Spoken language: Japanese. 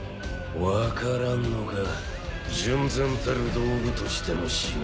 わからんのか純然たる道具としての忍。